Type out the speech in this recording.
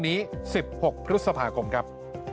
๑๖พฤษภาคมครับ